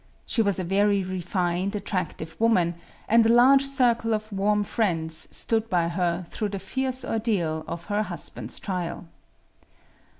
She was a very refined, attractive woman, and a large circle of warm friends stood by her through the fierce ordeal of her husband's trial.